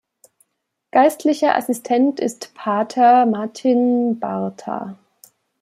Geistlicher Assistent ist Pater Martin Barta.